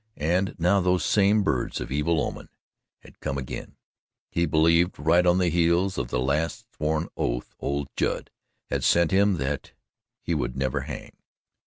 And now those same birds of evil omen had come again, he believed, right on the heels of the last sworn oath old Judd had sent him that he would never hang.